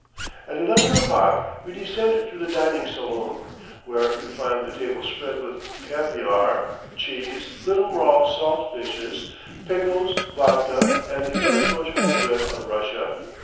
At eleven o'clock we descend to the dining saloon, where we find the table spread with caviare, cheese, little raw salt fishes, pickles, vodka, and the unapproachable bread of Russia.